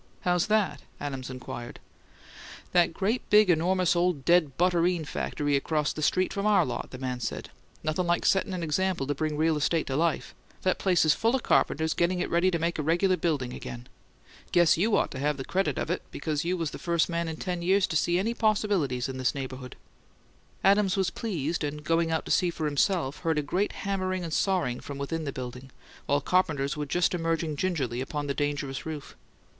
"How's that?" Adams inquired. "That great big, enormous ole dead butterine factory across the street from our lot," the man said. "Nothin' like settin' an example to bring real estate to life. That place is full o' carpenters startin' in to make a regular buildin' of it again. Guess you ought to have the credit of it, because you was the first man in ten years to see any possibilities in this neighbourhood." Adams was pleased, and, going out to see for himself, heard a great hammering and sawing from within the building; while carpenters were just emerging gingerly upon the dangerous roof.